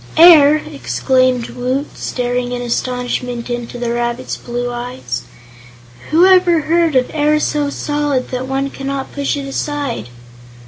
"Air!" exclaimed Woot, staring in astonishment into the rabbit's blue eyes; "whoever heard of air so solid that one cannot push it aside?"